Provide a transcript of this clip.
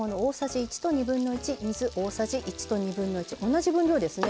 同じ分量ですね。